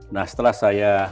nah setelah saya